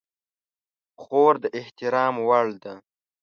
خور د احترام وړ ده.